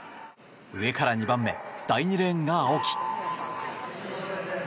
上から２番目第２レーンが青木。